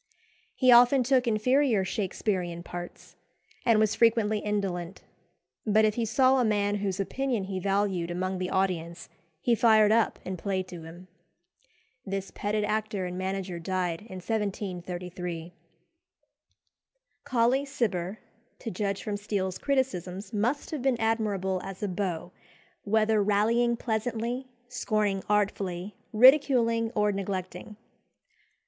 He often took inferior Shaksperean parts, and was frequently indolent; but if he saw a man whose opinion he valued among the audience he fired up and played to him. This petted actor and manager died in 1733. Colley Cibber, to judge from Steele's criticisms, must have been admirable as a beau, whether rallying pleasantly, scorning artfully, ridiculing, or neglecting.